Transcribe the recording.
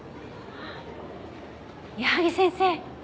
矢萩先生。